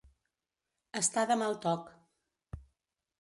Estar de mal toc.